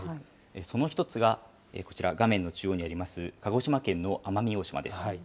その１つはこちら、画面の中央にあります鹿児島県の奄美大島です。